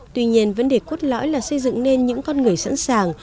tuy nhiên vấn đề cốt lõi là xây dựng nên những con người sẵn sàng